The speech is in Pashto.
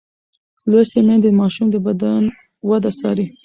لوستې میندې د ماشوم د بدن وده څاري.